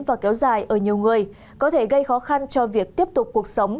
và kéo dài ở nhiều người có thể gây khó khăn cho việc tiếp tục cuộc sống